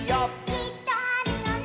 「きっとあるよね」